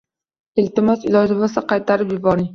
Iltimos, iloji bo'lsa qaytarib yuboring.